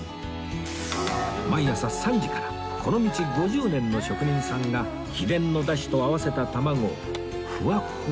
毎朝３時からこの道５０年の職人さんが秘伝のダシと合わせた卵をふわっふわ